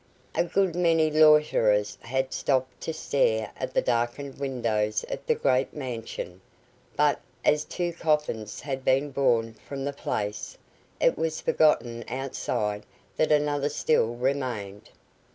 A good many loiterers had stopped to stare at the darkened windows of the great mansion; but as two coffins had been borne from the place, it was forgotten outside that another still remained.